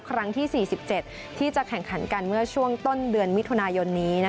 ครั้งที่๔๗ที่จะแข่งขันกันเมื่อช่วงต้นเดือนมิถุนายนนี้